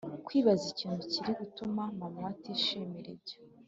kwibaza ikintu kirigutuma mama we atishimira ibyo